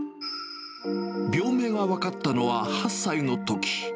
病名が分かったのは８歳のとき。